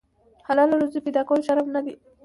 حلاله روزي پیدا کول شرم نه دی.